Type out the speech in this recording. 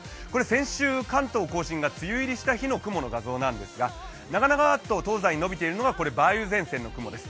先週、関東甲信が梅雨入りした日の雲の様子ですが、長々と東西に延びているのが梅雨前線の雲です。